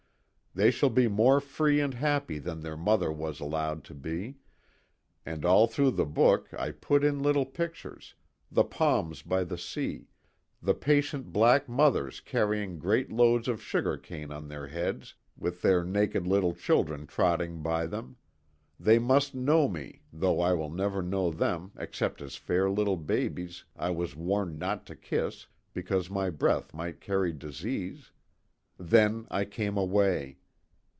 They shall be more free and happy than their mother was allowed to be and all through the book I put in little pictures the palms by the sea the patient black mothers carrying great loads of sugar cane on their heads with their naked little children trotting by them they must know me though I will never know them except as fair little babies I was warned not to kiss because my breath might carry disease then I came away.